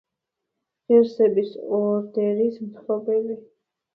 ღირსების ორდენის მფლობელი.